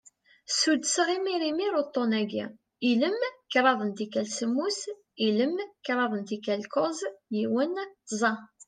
Suddseɣ imir imir uṭṭun-agi: ilem, kraḍ n tikal semmus, ilem, kraḍ n tikal kuẓ, yiwen, tẓa.